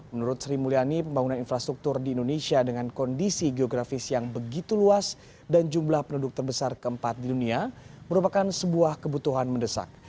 menurut sri mulyani pembangunan infrastruktur di indonesia dengan kondisi geografis yang begitu luas dan jumlah penduduk terbesar keempat di dunia merupakan sebuah kebutuhan mendesak